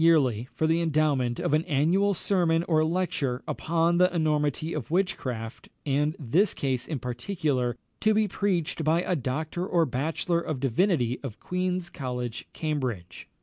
yearly, for the endowment of an annual sermon or lecture upon the enormity of witchcraft, and this case in particular, to be preached by a doctor or bachelor of divinity of Queen's College, Cambridge.